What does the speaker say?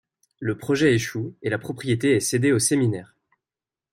Le projet échoue, et la propriété est cédée au Séminaire.